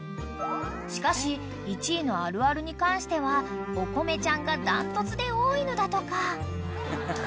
［しかし１位のあるあるに関してはおこめちゃんが断トツで多いのだとか］